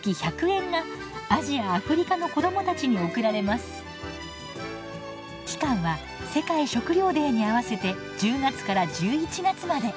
すると期間は世界食料デーに合わせて１０月から１１月まで。